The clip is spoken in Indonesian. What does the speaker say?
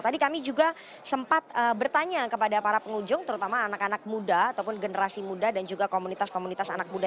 tadi kami juga sempat bertanya kepada para pengunjung terutama anak anak muda ataupun generasi muda